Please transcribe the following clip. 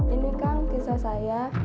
ini kan kisah saya